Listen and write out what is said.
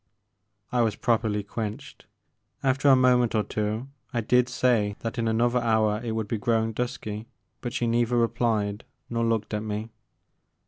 I was properly quenched. After a moment or two I did say that in another hour it would be growing dusky, but she neither replied nor looked at me.